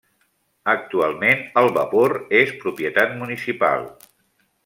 Actualment el vapor és propietat municipal.